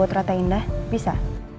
terata indah bisa